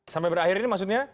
sampai berakhir ini maksudnya